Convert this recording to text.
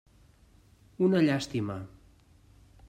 Una llàstima.